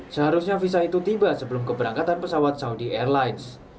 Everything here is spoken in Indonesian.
seharusnya visa itu tiba sebelum keberangkatan pesawat saudi airlines